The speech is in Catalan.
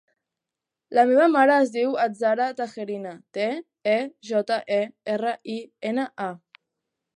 La meva mare es diu Azahara Tejerina: te, e, jota, e, erra, i, ena, a.